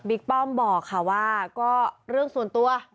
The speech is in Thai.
บิ๊กป้อมบอกว่าก็เรื่องส่วนตัว